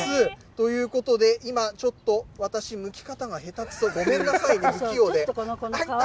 ということで、今、ちょっと私、むき方がへたくそで、ごめんなさいね、不器用で。